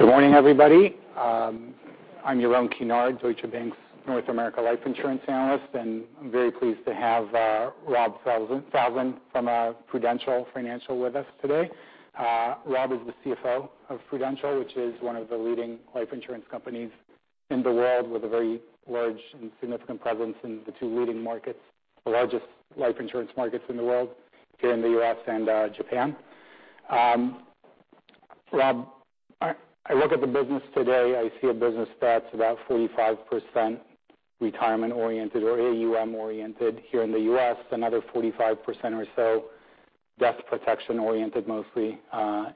Good morning, everybody. I'm Yaron Kinar, Deutsche Bank's North America life insurance analyst, and I'm very pleased to have Robert Falzon from Prudential Financial with us today. Rob is the CFO of Prudential, which is one of the leading life insurance companies in the world, with a very large and significant presence in the two leading markets, the largest life insurance markets in the world, here in the U.S. and Japan. Rob, I look at the business today, I see a business that's about 45% retirement oriented or AUM oriented here in the U.S., another 45% or so death protection oriented, mostly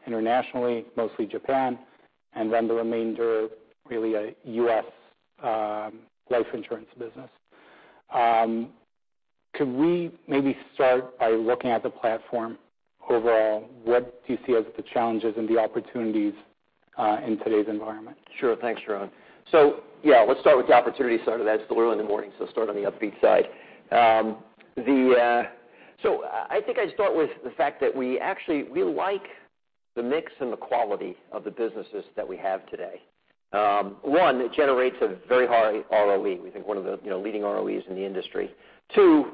internationally, mostly Japan, and then the remainder really a U.S. life insurance business. Could we maybe start by looking at the platform overall? What do you see as the challenges and the opportunities in today's environment? Sure. Thanks, Yaron. Yeah, let's start with the opportunity side of that. It's still early in the morning, start on the upbeat side. I think I'd start with the fact that we actually like the mix and the quality of the businesses that we have today. One, it generates a very high ROE. We think one of the leading ROEs in the industry. Two,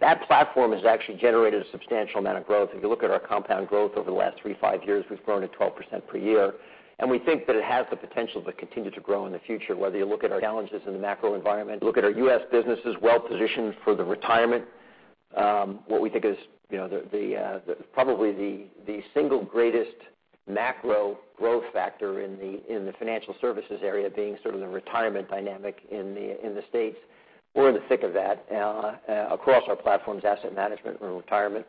that platform has actually generated a substantial amount of growth. If you look at our compound growth over the last three, five years, we've grown at 12% per year, and we think that it has the potential to continue to grow in the future, whether you look at our challenges in the macro environment, look at our U.S. business is well-positioned for the retirement. What we think is probably the single greatest macro growth factor in the financial services area being sort of the retirement dynamic in the States. We're in the thick of that across our platforms, asset management and retirement.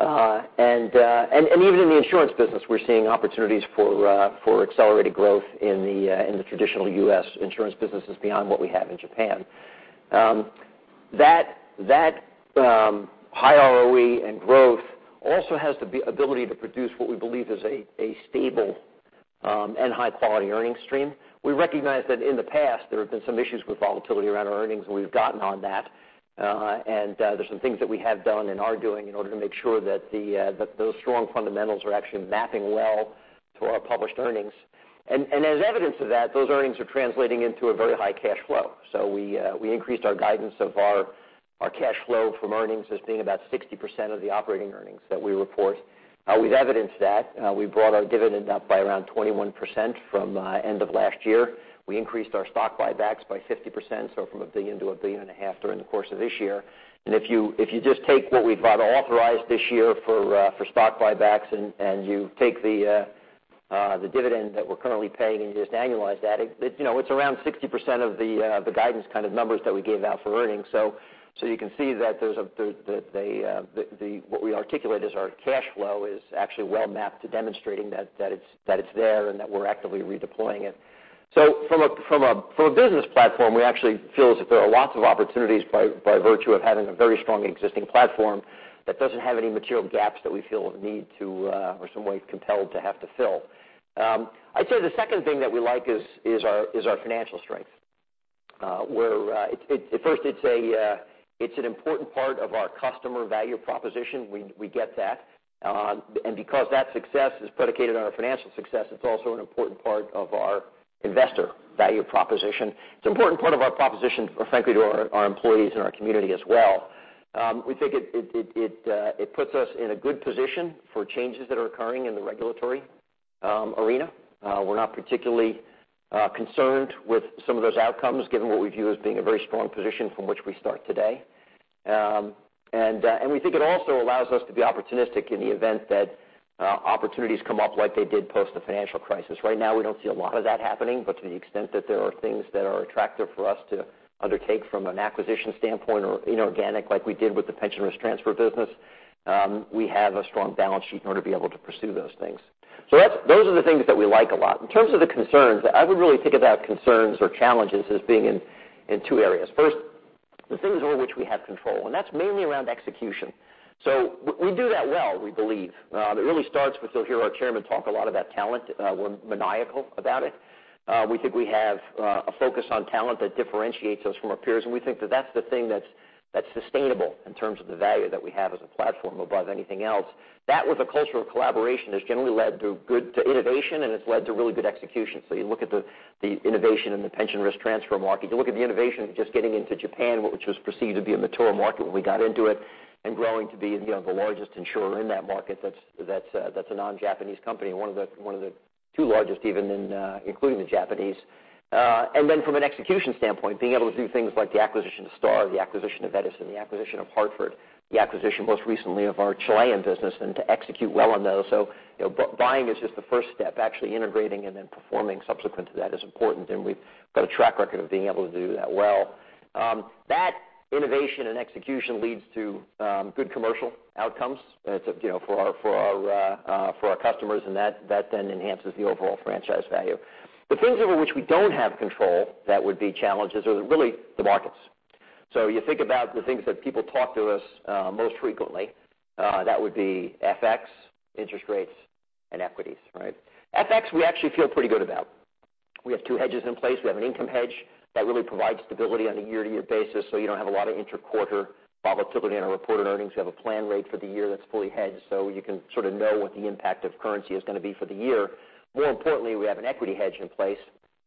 Even in the insurance business, we're seeing opportunities for accelerated growth in the traditional U.S. insurance businesses beyond what we have in Japan. That high ROE and growth also has the ability to produce what we believe is a stable and high-quality earning stream. We recognize that in the past there have been some issues with volatility around our earnings, we've gotten on that. There are some things that we have done and are doing in order to make sure that those strong fundamentals are actually mapping well to our published earnings. As evidence of that, those earnings are translating into a very high cash flow. We increased our guidance of our cash flow from earnings as being about 60% of the operating earnings that we report. We've evidenced that. We brought our dividend up by around 21% from end of last year. We increased our stock buybacks by 50%, from $1 billion to $1.5 billion during the course of this year. If you just take what we've authorized this year for stock buybacks, and you take the dividend that we're currently paying and you just annualize that, it's around 60% of the guidance kind of numbers that we gave out for earnings. You can see that what we articulate as our cash flow is actually well mapped to demonstrating that it's there and that we're actively redeploying it. From a business platform, we actually feel as if there are lots of opportunities by virtue of having a very strong existing platform that doesn't have any material gaps that we feel a need to or some way compelled to have to fill. I'd say the second thing that we like is our financial strength. First, it's an important part of our customer value proposition. We get that. Because that success is predicated on our financial success, it's also an important part of our investor value proposition. It's an important part of our proposition, frankly, to our employees and our community as well. We think it puts us in a good position for changes that are occurring in the regulatory arena. We're not particularly concerned with some of those outcomes, given what we view as being a very strong position from which we start today. We think it also allows us to be opportunistic in the event that opportunities come up like they did post the financial crisis. Right now, we don't see a lot of that happening, but to the extent that there are things that are attractive for us to undertake from an acquisition standpoint or inorganic, like we did with the pension risk transfer business, we have a strong balance sheet in order to be able to pursue those things. Those are the things that we like a lot. In terms of the concerns, I would really think about concerns or challenges as being in two areas. First, the things over which we have control, and that's mainly around execution. We do that well, we believe. It really starts with, you'll hear our chairman talk a lot about talent. We're maniacal about it. We think we have a focus on talent that differentiates us from our peers, we think that that's the thing that's sustainable in terms of the value that we have as a platform above anything else. That with a culture of collaboration has generally led to good innovation, it's led to really good execution. You look at the innovation in the pension risk transfer market, you look at the innovation of just getting into Japan, which was perceived to be a mature market when we got into it, and growing to be the largest insurer in that market that's a non-Japanese company, one of the two largest even including the Japanese. From an execution standpoint, being able to do things like the acquisition of Star, the acquisition of Edison, the acquisition of Hartford, the acquisition most recently of our Chilean business, to execute well on those. Buying is just the first step. Actually integrating and then performing subsequent to that is important, we've got a track record of being able to do that well. That innovation and execution leads to good commercial outcomes for our customers, that then enhances the overall franchise value. The things over which we don't have control that would be challenges are really the markets. You think about the things that people talk to us most frequently, that would be FX, interest rates, and equities, right? FX we actually feel pretty good about. We have two hedges in place. We have an income hedge that really provides stability on a year-to-year basis, you don't have a lot of inter-quarter volatility in our reported earnings. We have a plan rate for the year that's fully hedged, you can sort of know what the impact of currency is going to be for the year. More importantly, we have an equity hedge in place.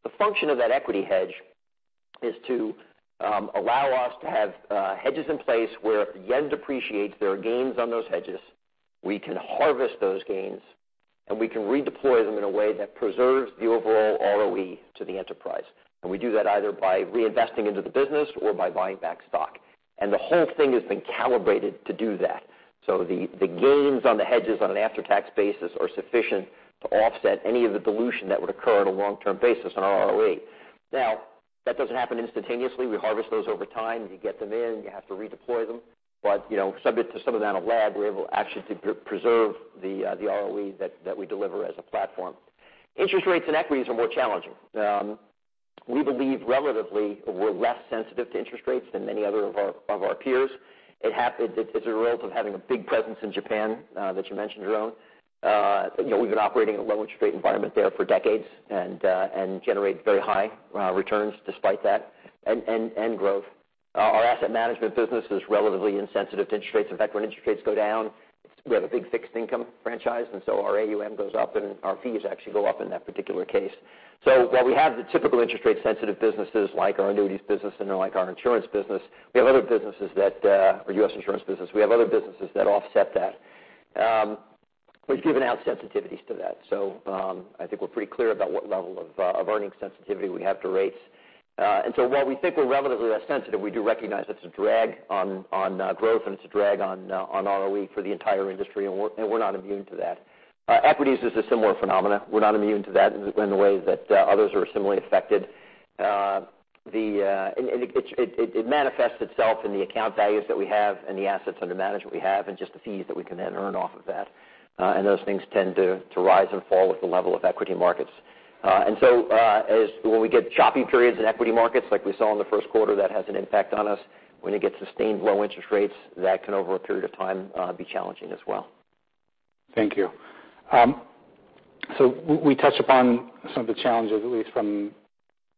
The function of that equity hedge is to allow us to have hedges in place where if JPY depreciates, there are gains on those hedges. We can harvest those gains, and we can redeploy them in a way that preserves the overall ROE to the enterprise. We do that either by reinvesting into the business or by buying back stock. The whole thing has been calibrated to do that. The gains on the hedges on an after-tax basis are sufficient to offset any of the dilution that would occur on a long-term basis on our ROE. That doesn't happen instantaneously. We harvest those over time. You get them in, you have to redeploy them. Subject to some amount of lag, we're able actually to preserve the ROE that we deliver as a platform. Interest rates and equities are more challenging. We believe relatively we're less sensitive to interest rates than many other of our peers. It's a result of having a big presence in Japan, that you mentioned, Yaron. We've been operating in a low interest rate environment there for decades and generate very high returns despite that, and growth. Our asset management business is relatively insensitive to interest rates. In fact, when interest rates go down, we have a big fixed income franchise, our AUM goes up and our fees actually go up in that particular case. While we have the typical interest rate sensitive businesses like our annuities business and like our insurance business, we have other businesses that, or U.S. insurance business, we have other businesses that offset that. We've given out sensitivities to that. I think we're pretty clear about what level of earning sensitivity we have to rates. While we think we're relatively less sensitive, we do recognize it's a drag on growth and it's a drag on ROE for the entire industry, and we're not immune to that. Equities is a similar phenomena. We're not immune to that in the way that others are similarly affected. It manifests itself in the account values that we have and the assets under management we have and just the fees that we can then earn off of that. Those things tend to rise and fall with the level of equity markets. When we get choppy periods in equity markets like we saw in the first quarter, that has an impact on us. When you get sustained low interest rates, that can over a period of time be challenging as well. Thank you. We touched upon some of the challenges, at least from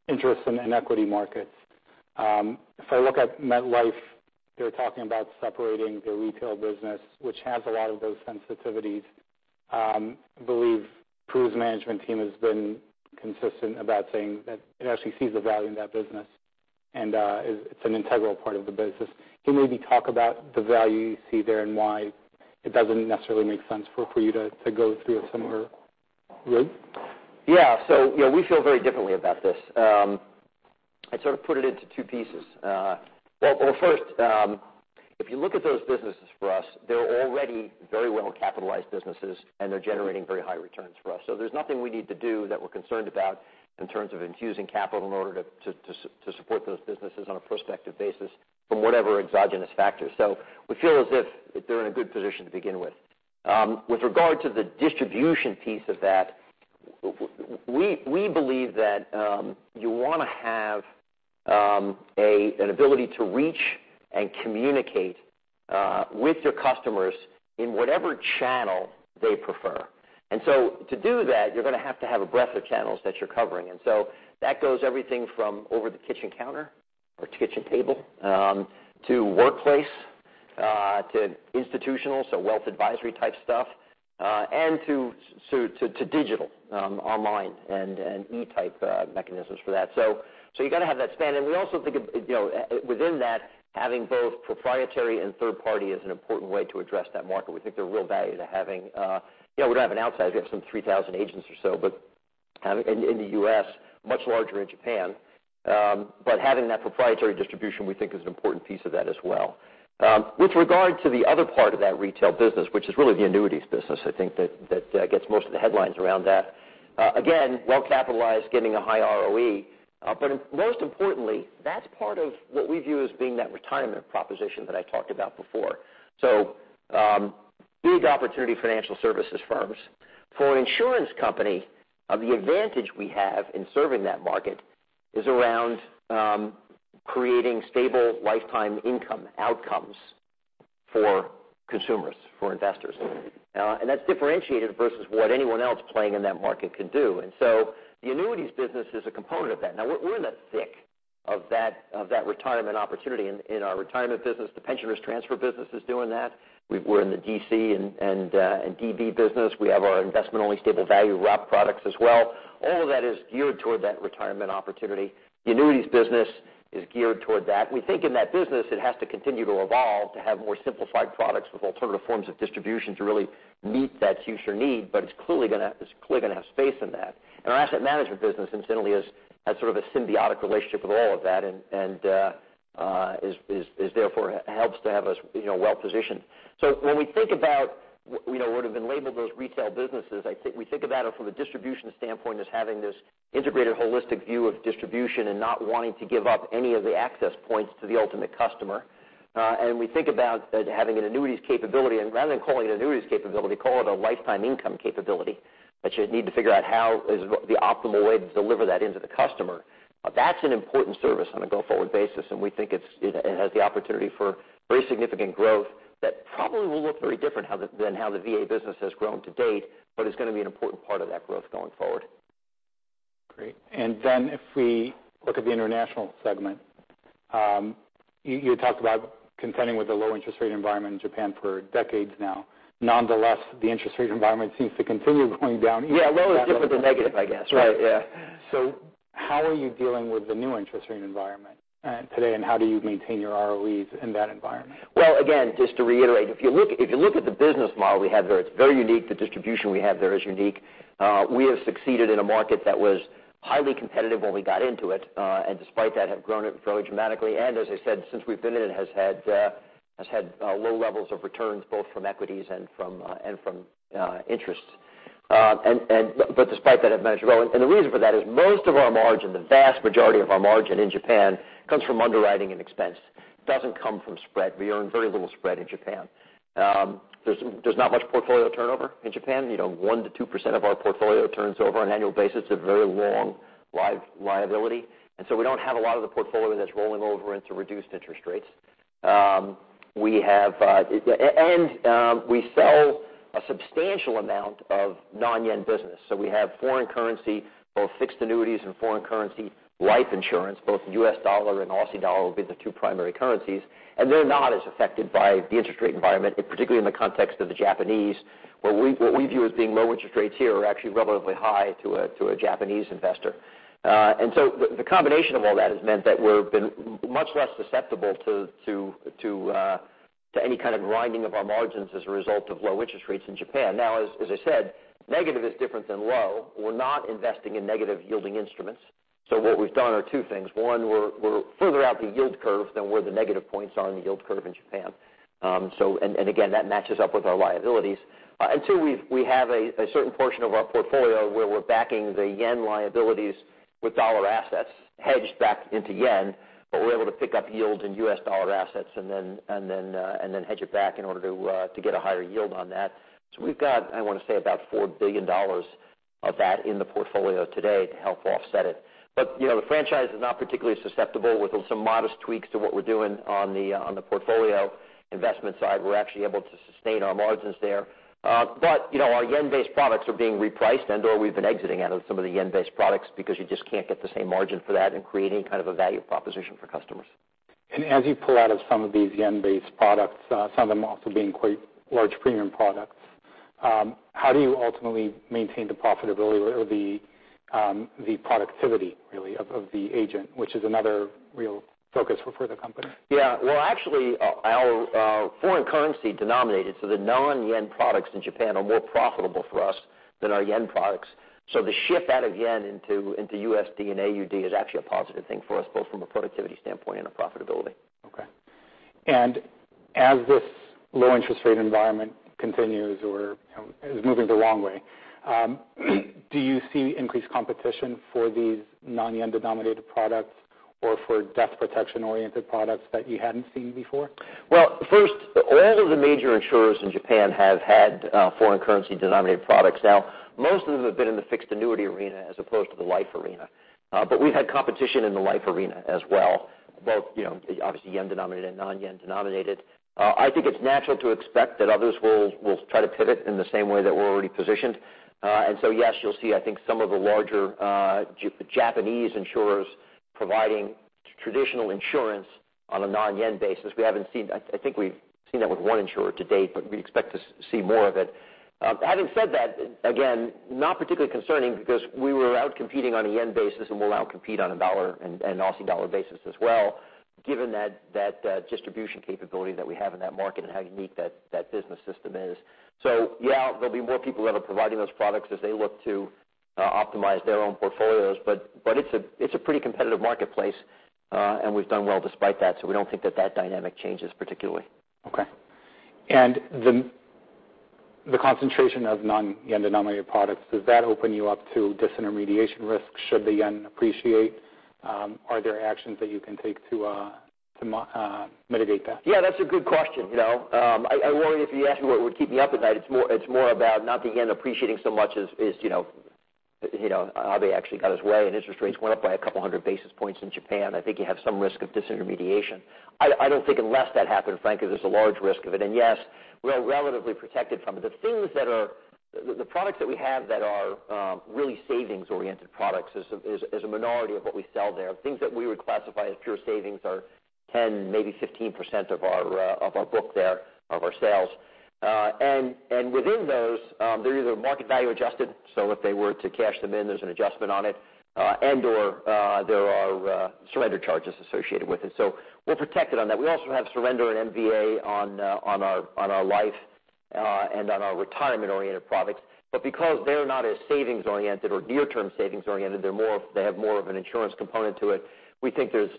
interest and equity markets. If I look at MetLife, they're talking about separating their retail business, which has a lot of those sensitivities. I believe Pru's management team has been consistent about saying that it actually sees the value in that business, and it's an integral part of the business. Can you maybe talk about the value you see there and why it doesn't necessarily make sense for you to go through a similar route? Yeah. We feel very differently about this. I'd sort of put it into two pieces. Well, first, if you look at those businesses for us, they're already very well-capitalized businesses, and they're generating very high returns for us. There's nothing we need to do that we're concerned about in terms of infusing capital in order to support those businesses on a prospective basis from whatever exogenous factors. We feel as if they're in a good position to begin with. With regard to the distribution piece of that, we believe that you want to have an ability to reach and communicate with your customers in whatever channel they prefer. To do that, you're going to have to have a breadth of channels that you're covering. That goes everything from over the kitchen counter or kitchen table, to workplace, to institutional, so wealth advisory type stuff, and to digital, online, and e-type mechanisms for that. You got to have that span. We also think within that, having both proprietary and third party is an important way to address that market. We think there are real value to having. We don't have an outside, we have some 3,000 agents or so in the U.S., much larger in Japan. Having that proprietary distribution, we think is an important piece of that as well. With regard to the other part of that retail business, which is really the annuities business, I think that gets most of the headlines around that. Again, well-capitalized, getting a high ROE. Most importantly, that's part of what we view as being that retirement proposition that I talked about before. Big opportunity financial services firms. For an insurance company, the advantage we have in serving that market is around creating stable lifetime income outcomes for consumers, for investors. That's differentiated versus what anyone else playing in that market can do. The annuities business is a component of that. Now we're in the thick of that retirement opportunity in our retirement business. The pension risk transfer business is doing that. We're in the DC and DB business. We have our investment-only stable value wrap products as well. All of that is geared toward that retirement opportunity. The annuities business is geared toward that. We think in that business, it has to continue to evolve to have more simplified products with alternative forms of distribution to really meet that future need, but it's clearly going to have space in that. Our asset management business incidentally has sort of a symbiotic relationship with all of that and therefore helps to have us well-positioned. When we think about what have been labeled those retail businesses, we think about it from a distribution standpoint as having this integrated holistic view of distribution and not wanting to give up any of the access points to the ultimate customer. We think about having an annuities capability, and rather than calling it annuities capability, call it a lifetime income capability. You need to figure out how is the optimal way to deliver that into the customer. That's an important service on a go-forward basis. We think it has the opportunity for very significant growth that probably will look very different than how the VA business has grown to date, but is going to be an important part of that growth going forward. Great. If we look at the international segment, you talked about contending with the low interest rate environment in Japan for decades now. Nonetheless, the interest rate environment seems to continue going down. Yeah. Low is different than negative, I guess. Right. Yeah. how are you dealing with the new interest rate environment today, and how do you maintain your ROEs in that environment? Well, again, just to reiterate, if you look at the business model we have there, it's very unique. The distribution we have there is unique. We have succeeded in a market that was highly competitive when we got into it. Despite that, have grown it very dramatically. As I said, since we've been in it, has had low levels of returns, both from equities and from interest. Despite that, have managed to grow. The reason for that is most of our margin, the vast majority of our margin in Japan, comes from underwriting and expense. It doesn't come from spread. We earn very little spread in Japan. There's not much portfolio turnover in Japan. 1%-2% of our portfolio turns over on an annual basis, a very long liability. We don't have a lot of the portfolio that's rolling over into reduced interest rates. We sell a substantial amount of non-yen business. We have foreign currency, both fixed annuities and foreign currency life insurance, both US dollar and AUD would be the two primary currencies, and they're not as affected by the interest rate environment, particularly in the context of the Japanese. What we view as being low interest rates here are actually relatively high to a Japanese investor. The combination of all that has meant that we've been much less susceptible to any kind of grinding of our margins as a result of low interest rates in Japan. Now, as I said, negative is different than low. We're not investing in negative yielding instruments. What we've done are two things. One, we're further out the yield curve than where the negative points are in the yield curve in Japan. Again, that matches up with our liabilities. Two, we have a certain portion of our portfolio where we're backing the yen liabilities with dollar assets hedged back into yen, but we're able to pick up yields in US dollar assets and then hedge it back in order to get a higher yield on that. We've got, I want to say, about $4 billion of that in the portfolio today to help offset it. The franchise is not particularly susceptible. With some modest tweaks to what we're doing on the portfolio investment side, we're actually able to sustain our margins there. Our yen-based products are being repriced, and/or we've been exiting out of some of the yen-based products because you just can't get the same margin for that and create any kind of a value proposition for customers. As you pull out of some of these yen-based products, some of them also being quite large premium products, how do you ultimately maintain the profitability or the productivity, really, of the agent, which is another real focus for the company? Yeah. Well, actually, our foreign currency denominated, so the non-yen products in Japan are more profitable for us than our yen products. The shift out of yen into USD and AUD is actually a positive thing for us, both from a productivity standpoint and a profitability. Okay. As this low interest rate environment continues or is moving the wrong way, do you see increased competition for these non-yen denominated products or for death protection oriented products that you hadn't seen before? Well, first, all of the major insurers in Japan have had foreign currency denominated products. Most of them have been in the fixed annuity arena as opposed to the life arena. We've had competition in the life arena as well. Both obviously JPY denominated and non-JPY denominated. I think it's natural to expect that others will try to pivot in the same way that we're already positioned. Yes, you'll see, I think, some of the larger Japanese insurers providing traditional insurance on a non-JPY basis. I think we've seen that with one insurer to date, but we expect to see more of it. Having said that, again, not particularly concerning because we were out competing on a JPY basis and will out-compete on a USD and AUD basis as well, given that distribution capability that we have in that market and how unique that business system is. Yeah, there'll be more people that are providing those products as they look to optimize their own portfolios. It's a pretty competitive marketplace. We've done well despite that, we don't think that dynamic changes particularly. Okay. The concentration of non-JPY denominated products, does that open you up to disintermediation risks should the JPY appreciate? Are there actions that you can take to mitigate that? Yeah, that's a good question. If you ask me what would keep me up at night, it's more about not the JPY appreciating so much as Abe actually got his way and interest rates went up by a couple of hundred basis points in Japan. I think you have some risk of disintermediation. I don't think unless that happened, frankly, there's a large risk of it. Yes, we're relatively protected from it. The products that we have that are really savings oriented products is a minority of what we sell there. Things that we would classify as pure savings are 10, maybe 15% of our book there, of our sales. Within those, they're either market value adjusted, so if they were to cash them in, there's an adjustment on it, and/or there are surrender charges associated with it. We're protected on that. We also have surrender and MVA on our life and on our retirement oriented products. Because they're not as savings oriented or near-term savings oriented, they have more of an insurance component to it. We think they're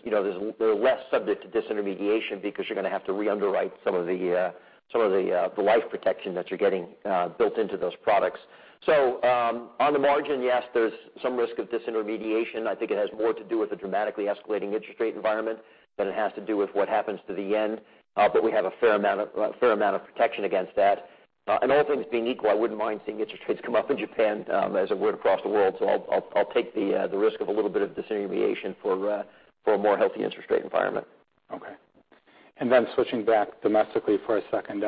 less subject to disintermediation because you're going to have to re-underwrite some of the life protection that you're getting built into those products. On the margin, yes, there's some risk of disintermediation. I think it has more to do with the dramatically escalating interest rate environment than it has to do with what happens to the yen. We have a fair amount of protection against that. All things being equal, I wouldn't mind seeing interest rates come up in Japan as it would across the world. I'll take the risk of a little bit of disintermediation for a more healthy interest rate environment. Okay. Switching back domestically for a second,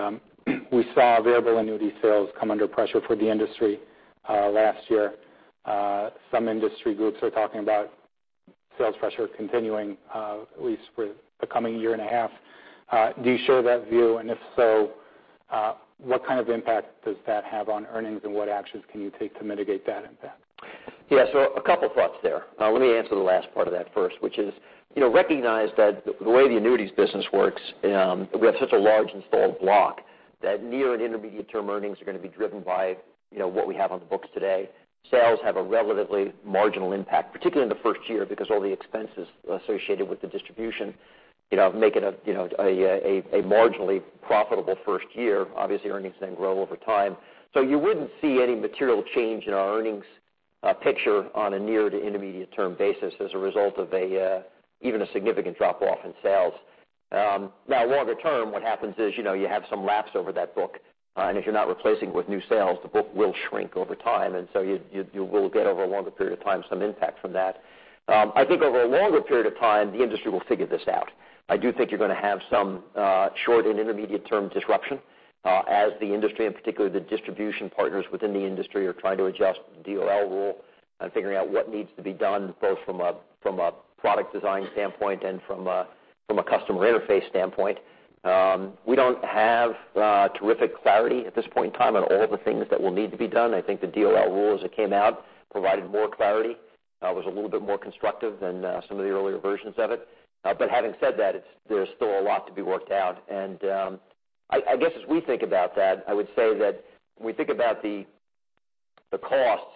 we saw variable annuity sales come under pressure for the industry last year. Some industry groups are talking about sales pressure continuing at least for the coming year and a half. Do you share that view? If so, what kind of impact does that have on earnings, and what actions can you take to mitigate that impact? A couple thoughts there. Let me answer the last part of that first, which is recognize that the way the annuities business works, we have such a large installed block that near and intermediate-term earnings are going to be driven by what we have on the books today. Sales have a relatively marginal impact, particularly in the first year, because all the expenses associated with the distribution make it a marginally profitable first year. Obviously, earnings grow over time. You wouldn't see any material change in our earnings picture on a near to intermediate-term basis as a result of even a significant drop-off in sales. Now, longer term, what happens is you have some lapse over that book, and if you're not replacing it with new sales, the book will shrink over time. You will get, over a longer period of time, some impact from that. I think over a longer period of time, the industry will figure this out. I do think you're going to have some short- and intermediate-term disruption as the industry, in particular the distribution partners within the industry, are trying to adjust the DOL rule and figuring out what needs to be done, both from a product design standpoint and from a customer interface standpoint. We don't have terrific clarity at this point in time on all the things that will need to be done. I think the DOL rule, as it came out, provided more clarity, was a little bit more constructive than some of the earlier versions of it. Having said that, there's still a lot to be worked out. I guess as we think about that, I would say that when we think about the costs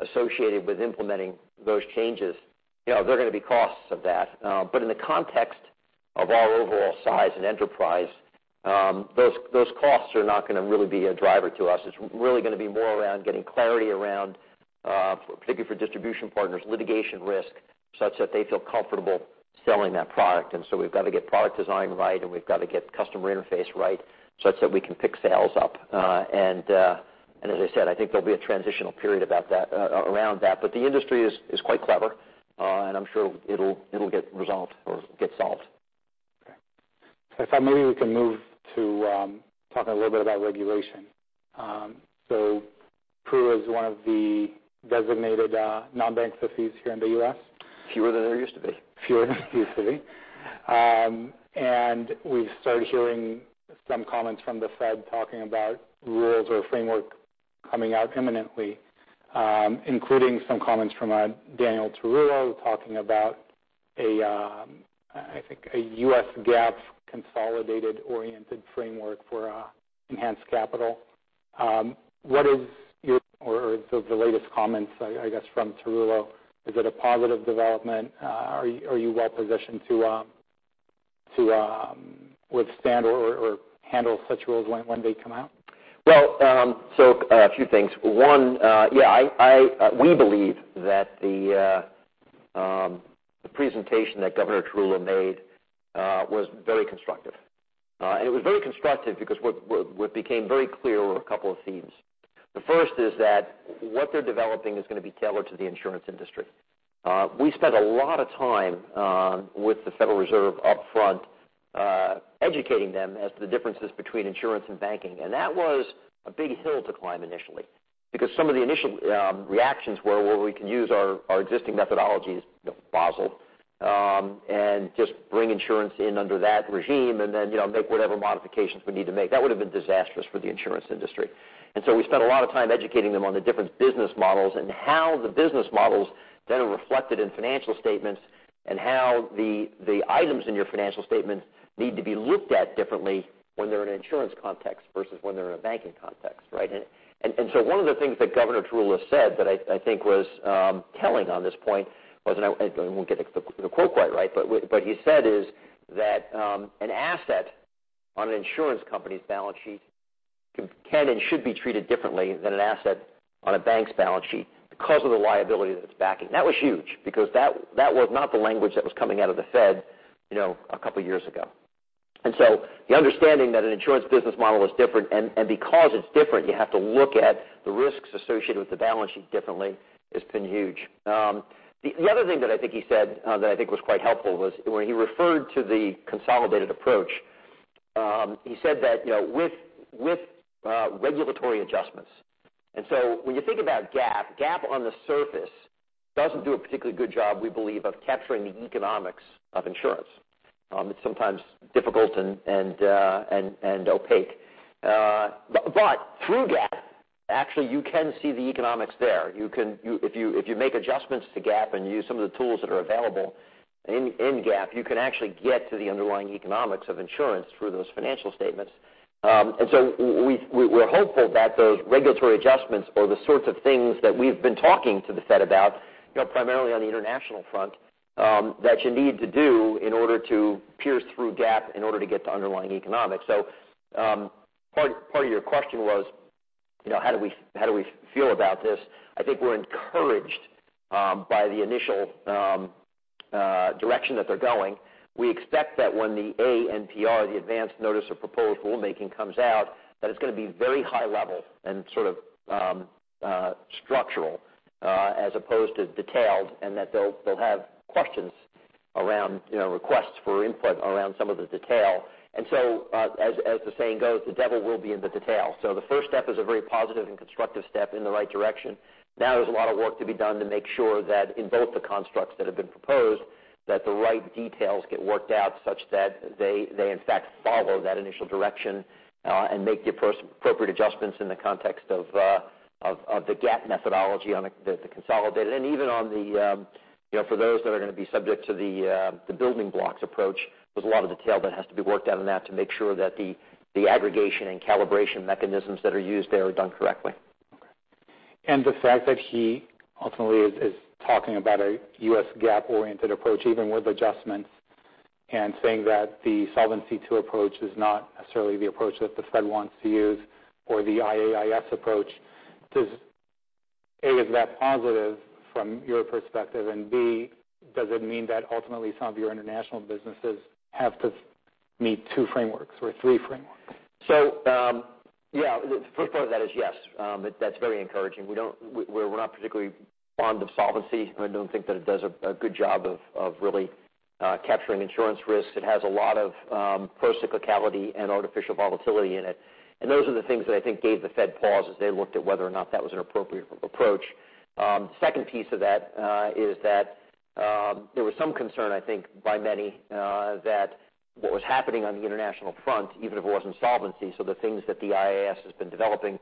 associated with implementing those changes, there are going to be costs of that. In the context of our overall size and enterprise, those costs are not going to really be a driver to us. It's really going to be more around getting clarity around, particularly for distribution partners, litigation risk, such that they feel comfortable selling that product. We've got to get product design right, and we've got to get customer interface right, such that we can pick sales up. As I said, I think there'll be a transitional period around that. The industry is quite clever, and I'm sure it'll get resolved or get solved. Okay. If maybe we can move to talking a little bit about regulation. PRU is one of the designated non-bank entities here in the U.S. Fewer than there used to be. Fewer than there used to be. We've started hearing some comments from the Fed talking about rules or framework coming out imminently, including some comments from Daniel Tarullo talking about, I think, a U.S. GAAP consolidated-oriented framework for enhanced capital. What is the latest comments, I guess, from Tarullo, is it a positive development? Are you well-positioned to withstand or handle such rules when they come out? A few things. One, we believe that the presentation that Governor Tarullo made was very constructive. It was very constructive because what became very clear were a couple of themes. The first is that what they're developing is going to be tailored to the insurance industry. We spent a lot of time with the Federal Reserve up front, educating them as to the differences between insurance and banking. That was a big hill to climb initially, because some of the initial reactions were, "Well, we can use our existing methodologies, Basel, and just bring insurance in under that regime and then make whatever modifications we need to make." That would have been disastrous for the insurance industry. We spent a lot of time educating them on the different business models and how the business models then are reflected in financial statements, and how the items in your financial statements need to be looked at differently when they're in an insurance context versus when they're in a banking context, right? One of the things that Governor Tarullo said that I think was telling on this point was, and I won't get the quote quite right, but what he said is that an asset on an insurance company's balance sheet can and should be treated differently than an asset on a bank's balance sheet because of the liability that it's backing. That was huge because that was not the language that was coming out of the Fed a couple of years ago. The understanding that an insurance business model is different, and because it's different, you have to look at the risks associated with the balance sheet differently, has been huge. The other thing that I think he said that I think was quite helpful was when he referred to the consolidated approach, he said that with regulatory adjustments. When you think about GAAP on the surface doesn't do a particularly good job, we believe, of capturing the economics of insurance. It's sometimes difficult and opaque. Through GAAP, actually, you can see the economics there. If you make adjustments to GAAP and use some of the tools that are available in GAAP, you can actually get to the underlying economics of insurance through those financial statements. We're hopeful that those regulatory adjustments are the sorts of things that we've been talking to the Fed about, primarily on the international front, that you need to do in order to pierce through GAAP in order to get to underlying economics. Part of your question was how do we feel about this? I think we're encouraged by the initial direction that they're going. We expect that when the ANPR, the advance notice of proposed rulemaking, comes out, that it's going to be very high level and sort of structural as opposed to detailed, and that they'll have questions Around requests for input around some of the detail. As the saying goes, "The devil will be in the detail." The first step is a very positive and constructive step in the right direction. There's a lot of work to be done to make sure that in both the constructs that have been proposed, that the right details get worked out such that they in fact follow that initial direction, and make the appropriate adjustments in the context of the GAAP methodology on the consolidated, and even for those that are going to be subject to the building blocks approach. There's a lot of detail that has to be worked out in that to make sure that the aggregation and calibration mechanisms that are used there are done correctly. The fact that he ultimately is talking about a U.S. GAAP-oriented approach, even with adjustments, and saying that the Solvency II approach is not necessarily the approach that the Fed wants to use or the IAIS approach. A, is that positive from your perspective? B, does it mean that ultimately some of your international businesses have to meet two frameworks or three frameworks? The first part of that is yes. That's very encouraging. We're not particularly fond of solvency. I don't think that it does a good job of really capturing insurance risks. It has a lot of pro-cyclicality and artificial volatility in it. Those are the things that I think gave the Fed pause as they looked at whether or not that was an appropriate approach. Second piece of that is that there was some concern I think by many, that what was happening on the international front, even if it wasn't solvency. The things that the IAIS has been developing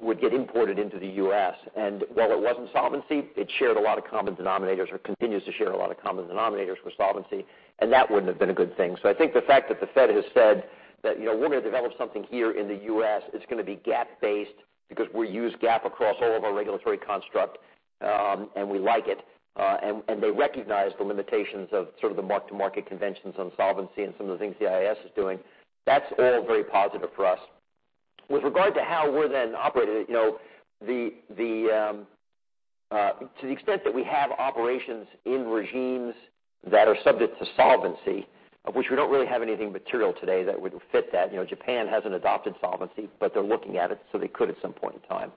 would get imported into the U.S. While it wasn't solvency, it shared a lot of common denominators or continues to share a lot of common denominators with solvency, and that wouldn't have been a good thing. I think the fact that the Fed has said that, "We're going to develop something here in the U.S. It's going to be GAAP-based because we use GAAP across all of our regulatory construct. And we like it." They recognize the limitations of sort of the mark-to-market conventions on solvency and some of the things the IAIS is doing. That's all very positive for us. With regard to how we're then operating it, to the extent that we have operations in regimes that are subject to solvency, of which we don't really have anything material today that would fit that. Japan hasn't adopted solvency, but they're looking at it, so they could at some point in time.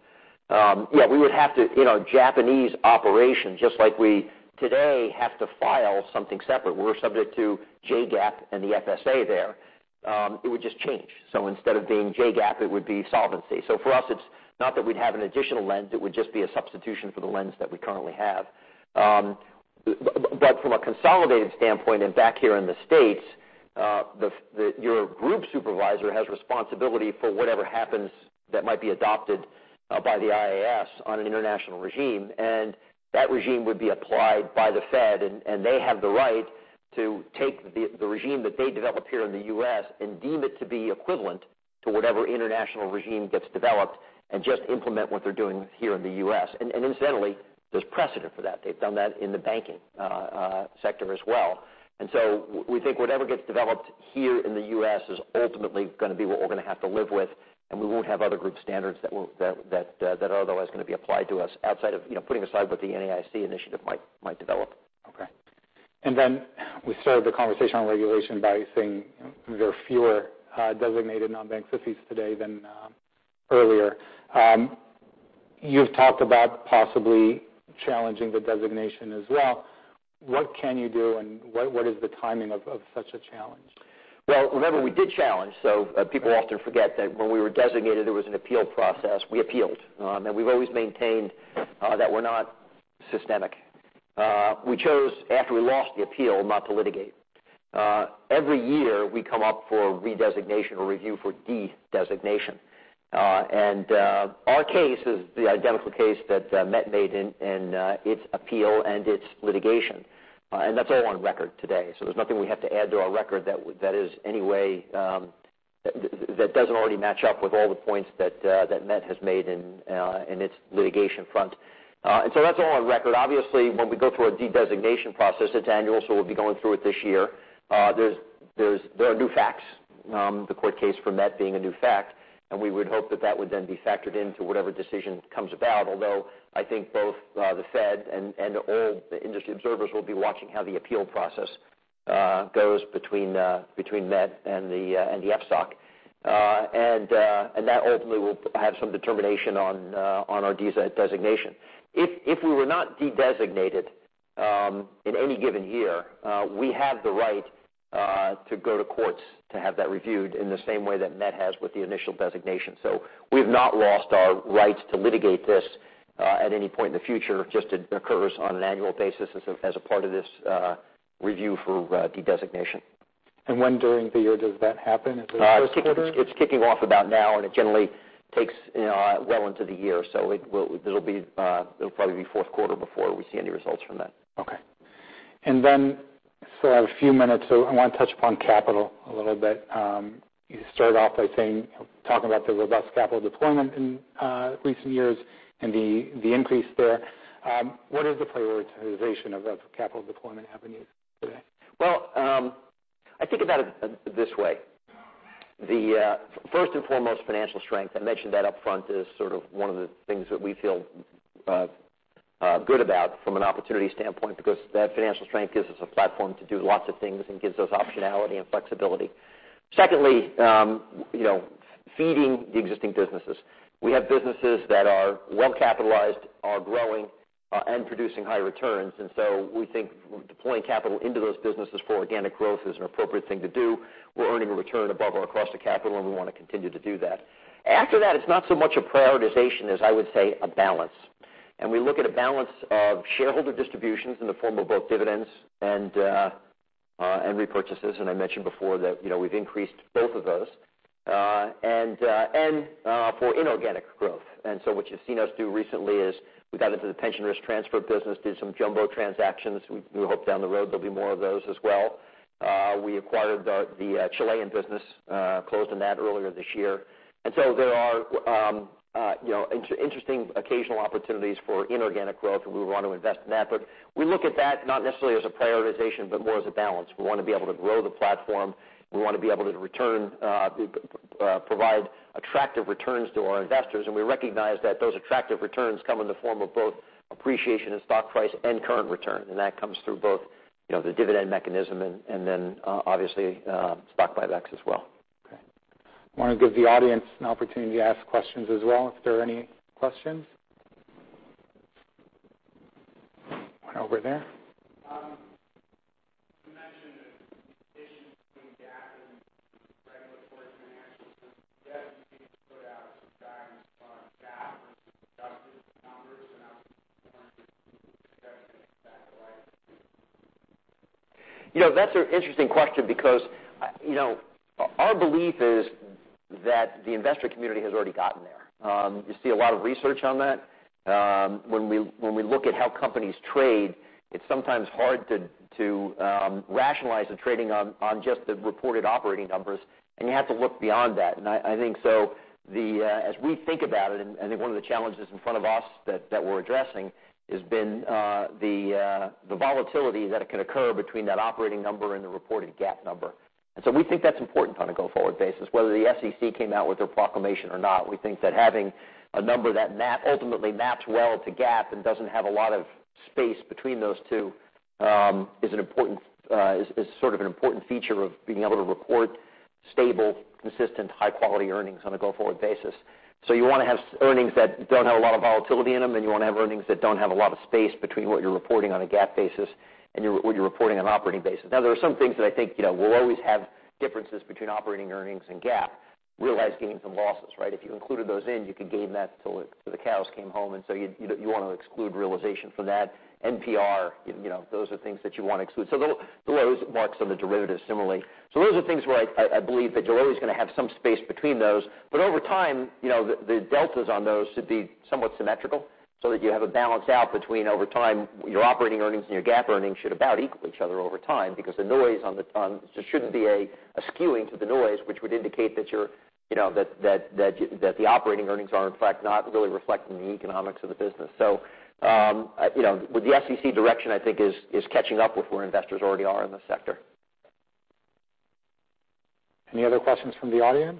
Japanese operations, just like we today have to file something separate. We're subject to JGAAP and the FSA there. It would just change. Instead of being JGAAP, it would be solvency. For us, it's not that we'd have an additional lens, it would just be a substitution for the lens that we currently have. From a consolidated standpoint and back here in the States, your group supervisor has responsibility for whatever happens that might be adopted by the IAIS on an international regime. That regime would be applied by the Fed, and they have the right to take the regime that they develop here in the U.S. and deem it to be equivalent to whatever international regime gets developed, and just implement what they're doing here in the U.S. Incidentally, there's precedent for that. They've done that in the banking sector as well. We think whatever gets developed here in the U.S. is ultimately going to be what we're going to have to live with, and we won't have other group standards that are otherwise going to be applied to us outside of putting aside what the NAIC initiative might develop. Okay. Then we started the conversation on regulation by saying there are fewer designated non-bank systemically important today than earlier. You've talked about possibly challenging the designation as well. What can you do and what is the timing of such a challenge? Well, remember, we did challenge. People often forget that when we were designated, there was an appeal process. We appealed. We've always maintained that we're not systemic. We chose, after we lost the appeal, not to litigate. Every year we come up for re-designation or review for de-designation. Our case is the identical case that Met made in its appeal and its litigation. That's all on record today. There's nothing we have to add to our record that doesn't already match up with all the points that Met has made in its litigation front. That's all on record. Obviously, when we go through a de-designation process, it's annual, so we'll be going through it this year. There are new facts, the court case for Met being a new fact. We would hope that that would then be factored into whatever decision comes about. Although I think both the Fed and all the industry observers will be watching how the appeal process goes between Met and the FSOC. That ultimately will have some determination on our de-designation. If we were not de-designated in any given year, we have the right to go to courts to have that reviewed in the same way that Met has with the initial designation. We've not lost our rights to litigate this at any point in the future, just it occurs on an annual basis as a part of this review for de-designation. When during the year does that happen? Is it first quarter? It's kicking off about now, and it generally takes well into the year. It'll probably be fourth quarter before we see any results from that. Okay. Then still have a few minutes, so I want to touch upon capital a little bit. You start off by talking about the robust capital deployment in recent years and the increase there. What is the prioritization of capital deployment avenues today? Well, I think about it this way. First and foremost financial strength, I mentioned that upfront is sort of one of the things that we feel good about from an opportunity standpoint because that financial strength gives us a platform to do lots of things and gives us optionality and flexibility. Secondly, feeding the existing businesses. We have businesses that are well-capitalized, are growing, and producing high returns. We think deploying capital into those businesses for organic growth is an appropriate thing to do. We're earning a return above or across the capital, and we want to continue to do that. After that, it's not so much a prioritization as I would say a balance. We look at a balance of shareholder distributions in the form of both dividends and repurchases, and I mentioned before that we've increased both of those, and for inorganic growth. What you've seen us do recently is we got into the pension risk transfer business, did some jumbo transactions. We hope down the road there'll be more of those as well. We acquired the Chilean business, closed on that earlier this year. There are interesting occasional opportunities for inorganic growth, and we want to invest in that. We look at that not necessarily as a prioritization, but more as a balance. We want to be able to grow the platform. We want to be able to provide attractive returns to our investors, and we recognize that those attractive returns come in the form of both appreciation in stock price and current return. That comes through both the dividend mechanism and then, obviously, stock buybacks as well. Okay. I want to give the audience an opportunity to ask questions as well, if there are any questions. One over there. You mentioned the distinction between GAAP and regulatory financials. The SEC has put out some guidance on GAAP versus adjusted numbers, and I was wondering if you could discuss the impact of that. That's an interesting question because our belief is that the investor community has already gotten there. You see a lot of research on that. When we look at how companies trade, it's sometimes hard to rationalize the trading on just the reported operating numbers, and you have to look beyond that. I think as we think about it, and I think one of the challenges in front of us that we're addressing, has been the volatility that can occur between that operating number and the reported GAAP number. We think that's important on a go-forward basis. Whether the SEC came out with their proclamation or not, we think that having a number that ultimately maps well to GAAP and doesn't have a lot of space between those two is an important feature of being able to report stable, consistent, high-quality earnings on a go-forward basis. You want to have earnings that don't have a lot of volatility in them, and you want to have earnings that don't have a lot of space between what you're reporting on a GAAP basis and what you're reporting on an operating basis. Now, there are some things that I think will always have differences between operating earnings and GAAP. Realized gains and losses, right? If you included those in, you could game that till the cows came home, and you want to exclude realization from that. NPR, those are things that you want to exclude. The loss marks on the derivatives similarly. Those are things where I believe that you're always going to have some space between those. Over time, the deltas on those should be somewhat symmetrical so that you have a balance out between over time, your operating earnings and your GAAP earnings should about equal each other over time because there shouldn't be a skewing to the noise, which would indicate that the operating earnings are, in fact, not really reflecting the economics of the business. With the SEC direction, I think is catching up with where investors already are in the sector. Any other questions from the audience?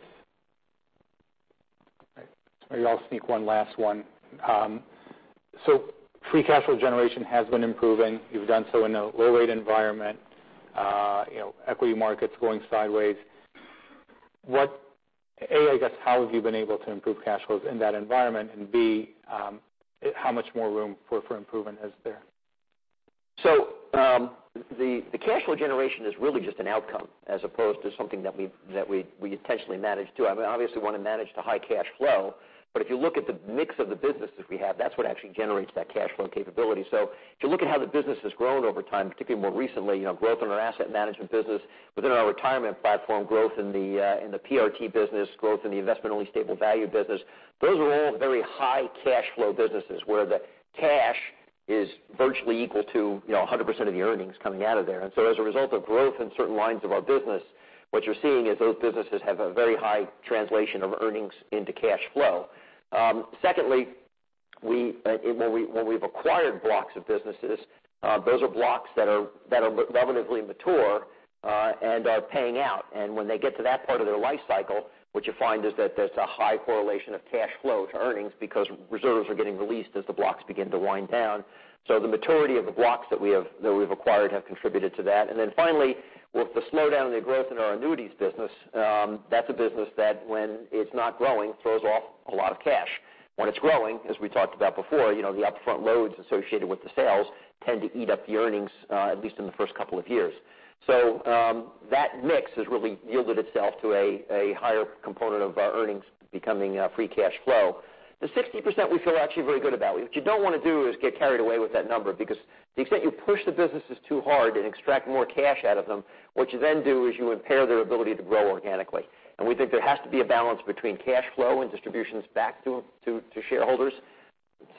Okay. Maybe I'll sneak one last one. Free cash flow generation has been improving. You've done so in a low-rate environment. Equity market's going sideways. A, I guess, how have you been able to improve cash flows in that environment? B, how much more room for improvement is there? The cash flow generation is really just an outcome as opposed to something that we intentionally manage to. I mean, obviously we want to manage to high cash flow, but if you look at the mix of the businesses we have, that's what actually generates that cash flow capability. If you look at how the business has grown over time, particularly more recently, growth in our asset management business, within our retirement platform growth in the PRT business, growth in the investment-only stable value business. Those are all very high cash flow businesses, where the cash is virtually equal to 100% of the earnings coming out of there. As a result of growth in certain lines of our business, what you're seeing is those businesses have a very high translation of earnings into cash flow. Secondly, when we've acquired blocks of businesses, those are blocks that are relatively mature and are paying out. When they get to that part of their life cycle, what you find is that there's a high correlation of cash flow to earnings because reserves are getting released as the blocks begin to wind down. The maturity of the blocks that we've acquired have contributed to that. Then finally, with the slowdown in the growth in our annuities business, that's a business that when it's not growing, throws off a lot of cash. When it's growing, as we talked about before, the upfront loads associated with the sales tend to eat up the earnings, at least in the first couple of years. That mix has really yielded itself to a higher component of our earnings becoming free cash flow. The 60% we feel actually very good about. What you don't want to do is get carried away with that number because to the extent you push the businesses too hard and extract more cash out of them, what you then do is you impair their ability to grow organically. We think there has to be a balance between cash flow and distributions back to shareholders,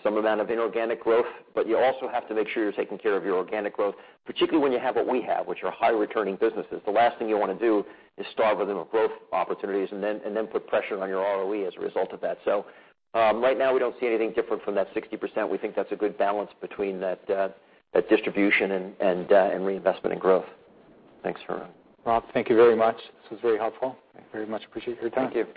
some amount of inorganic growth, but you also have to make sure you're taking care of your organic growth, particularly when you have what we have, which are high-returning businesses. The last thing you want to do is starve them of growth opportunities and then put pressure on your ROE as a result of that. Right now we don't see anything different from that 60%. We think that's a good balance between that distribution and reinvestment and growth. Thanks. Rob, thank you very much. This was very helpful. Thank you very much. Appreciate your time. Thank you.